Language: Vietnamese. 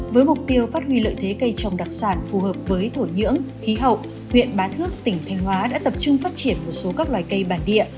với mục tiêu phát huy lợi thế cây trồng đặc sản phù hợp với thổ nhưỡng khí hậu huyện bá thước tỉnh thanh hóa đã tập trung phát triển một số các loài cây bản địa